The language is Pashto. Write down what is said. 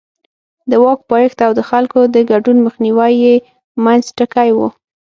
د واک پایښت او د خلکو د ګډون مخنیوی یې منځ ټکی و.